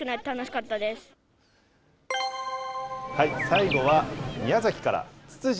最後は、宮崎から。